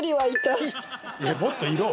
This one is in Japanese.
いやもっといろ！